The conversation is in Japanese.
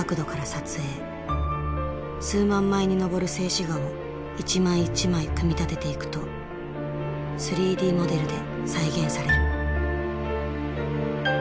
数万枚に上る静止画を一枚一枚組み立てていくと３Ｄモデルで再現される。